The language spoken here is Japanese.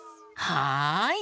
はい！